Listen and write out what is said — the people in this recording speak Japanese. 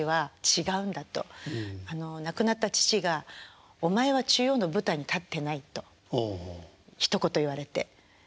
亡くなった父が「お前は中央の舞台に立ってない」とひと言言われて「自分で勝負してみないか」